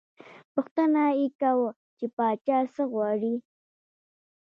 پوښتنه یې کاوه، چې پاچا څه غواړي.